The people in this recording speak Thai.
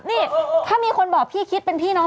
นี่ถ้ามีคนบอกพี่คิดเป็นพี่น้อง